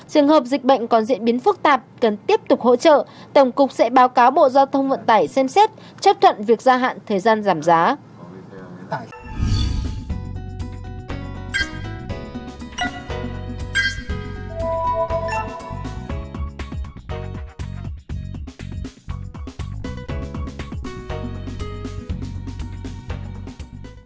trường hợp dịch bệnh còn diễn biến phức tạp cần tiếp tục hỗ trợ tổng cục sẽ báo cáo bộ giao thông vận tải xem xét chấp thuận việc gia hạn thời gian giảm giá